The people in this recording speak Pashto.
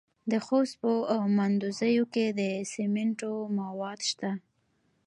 د خوست په مندوزیو کې د سمنټو مواد شته.